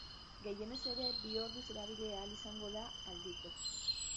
Gehienez ere, bi orduz erabili ahal izango da aldiko.